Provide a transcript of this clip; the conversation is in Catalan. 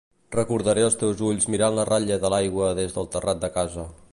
Recordaré els teus ulls mirant la ratlla de l'aigua des del terrat de casa.